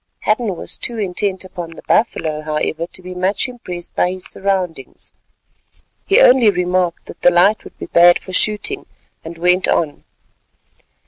Hadden was too intent upon the buffalo, however, to be much impressed by his surroundings. He only remarked that the light would be bad for shooting, and went on.